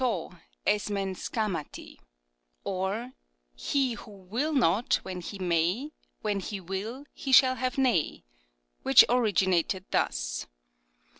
^ iapev aKafifiari^ ; or, He who will not, when he may, When he will he shall have nay, which originated thus.